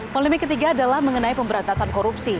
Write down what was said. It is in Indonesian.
polemik ketiga adalah mengenai pemberantasan korupsi